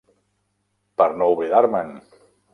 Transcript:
Per no oblidar-me'n!